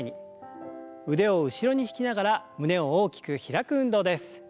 腕を後ろに引きながら胸を大きく開く運動です。